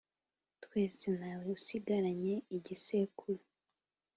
twese ntawe usigaranye igisekuru